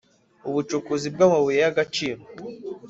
ubucukuzi bw’amabuye y’agaciro.